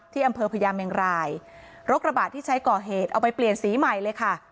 ที่อำเภอพญาเมงรายรถกระบะที่ใช้ก่อเหตุเอาไปเปลี่ยนสีใหม่เลยค่ะ